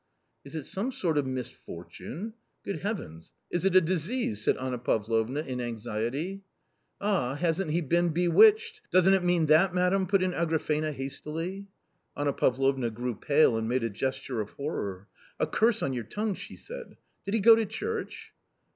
" Is it some sort of misfortune ? Good Heavens, is it a disease ?" said Anna Pavlovna in anxiety. " Ah, hasn't he been bewitched; does'nt it mean, madam ?" put in Agrafena hastily. Anna Pavlovna grew pale and made a gesture of horror. " A curse on your tongue !" she said. " Did he go to church?"